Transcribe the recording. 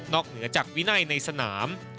เหนือจากวินัยในสนาม